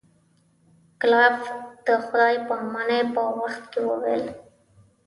کلایف د خدای په امانی په وخت کې وویل.